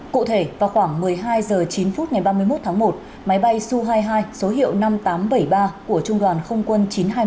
cụ thể vào khoảng một mươi hai h chín ngày ba mươi một tháng một máy bay su hai mươi hai số hiệu năm nghìn tám trăm bảy mươi ba của trung đoàn không quân chín trăm hai mươi hai